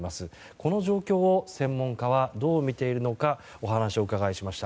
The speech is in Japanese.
この状況を専門家はどう見ているのかお話をお伺いしました。